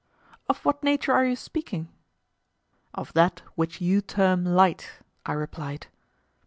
Of what nature are you speaking? Of that which you term light, I replied.